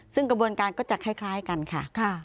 ซึ่งกระบวนการก็จะคล้ายกันค่ะ